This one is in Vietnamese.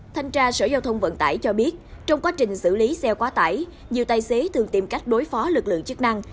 thanh tra sở giao thông vận tải cho biết trong quá trình xử lý xe quá tải nhiều tài xế thường tìm cách đối phó lực lượng chức năng